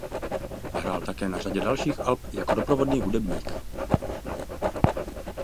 Hrál také na řadě dalších alb jako doprovodný hudebník.